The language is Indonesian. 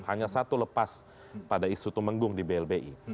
hanya satu lepas pada isu tumenggung di blbi